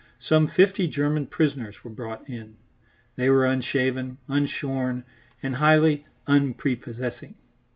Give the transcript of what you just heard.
Some fifty German prisoners were brought in. They were unshaven, unshorn, and highly unprepossessing.